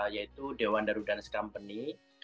yaitu dewan darudans company